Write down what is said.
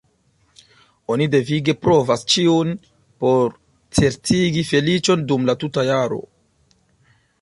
Oni devige provas ĉiun por certigi feliĉon dum la tuta jaro.